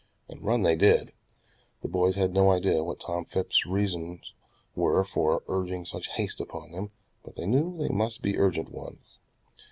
And run they did. The boys had no idea what Tom Phipps's reasons were for urging such haste upon them, but they knew they must be urgent ones.